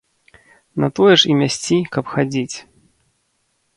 На тое ж і мясці, каб хадзіць.